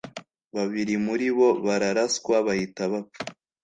babiri muri bo bararaswa bahita bapfa